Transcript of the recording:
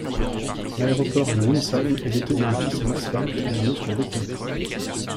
L'aéroport de Wonsan est doté d'une piste en asphalte et d'une autre en béton.